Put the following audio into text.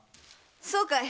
そうかい。